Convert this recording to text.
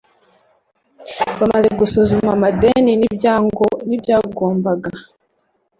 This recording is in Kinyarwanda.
bamaze gusuzuma amadeni n ibyagombaga